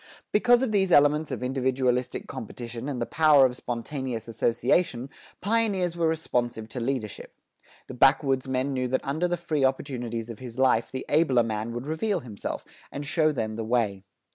Because of these elements of individualistic competition and the power of spontaneous association, pioneers were responsive to leadership. The backwoodsmen knew that under the free opportunities of his life the abler man would reveal himself, and show them the way.